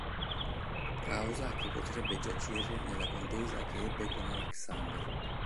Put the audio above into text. Causa che potrebbe giacere nella contesa che ebbe con Alexander.